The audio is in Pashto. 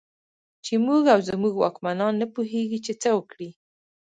چې موږ او زموږ واکمنان نه پوهېږي چې څه وکړي.